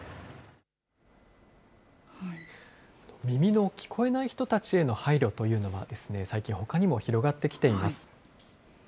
耳の聞こえない人たちへの配慮というのが最近、ほかにも広がってきています。